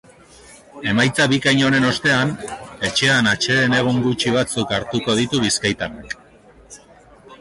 Emaitza bikain honen ostean, etxean atseden egun gutxi batzuk hartuko ditu bizkaitarrak.